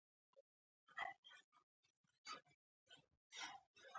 زه د طب د څلورم کال زده کړيال يم